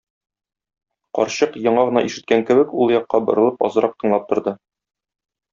Карчык, яңа гына ишеткән кебек, ул якка борылып азрак тыңлап торды.